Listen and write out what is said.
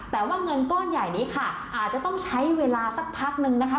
แต่ว่าเงินก้อนใหญ่นี้ค่ะอาจจะต้องใช้เวลาสักพักนึงนะคะ